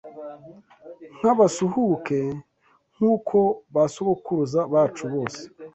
nk’abasuhuke nk’uko basogokuruza bacu bose